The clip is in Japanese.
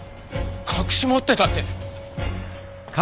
隠し持ってたって！